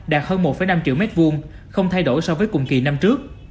đạt hơn một năm triệu mét vuông không thay đổi so với cùng kỳ năm trước